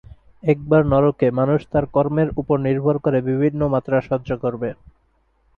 একবার নরকে, মানুষ তার কর্মের উপর নির্ভর করে বিভিন্ন মাত্রা সহ্য করবে।